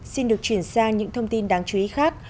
xin được chuyển sang những thông tin đáng chú ý khác